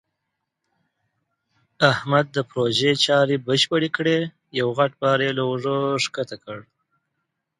احمد د پروژې چارې بشپړې کړې. یو غټ بار یې له اوږو ښکته کړ.